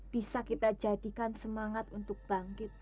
bisa kita jadikan semangat untuk bangkit